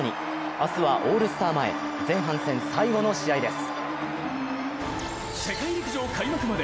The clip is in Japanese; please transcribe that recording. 明日はオールスター前前半戦最後の試合です。